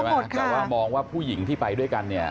แต่ว่ามองว่าผู้หญิงที่ไปด้วยกันเนี่ย